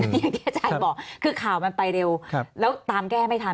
อย่างที่อาจารย์บอกคือข่าวมันไปเร็วแล้วตามแก้ไม่ทัน